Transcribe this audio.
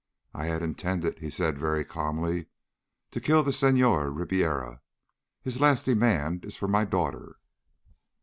"I had intended," he said very calmly, "to kill the Senhor Ribiera. His last demand is for my daughter."